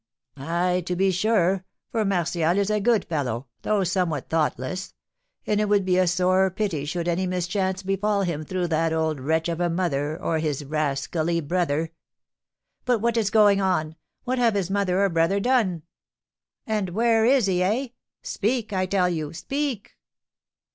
"Ay, to be sure, for Martial is a good fellow, though somewhat thoughtless; and it would be a sore pity should any mischance befall him through that old wretch of a mother or his rascally brother!" "But what is going on? What have his mother or brother done? And where is he, eh? Speak, I tell you! Speak!"